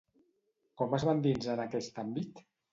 Com es va endinsar en aquest àmbit?